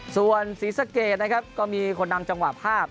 ส่วนศรีสะเกดนะครับก็มีคนนำจังหวะภาพ